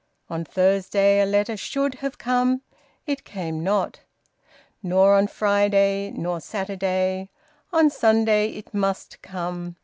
On Thursday a letter should have come. It came not. Nor on Friday nor Saturday. On Sunday it must come.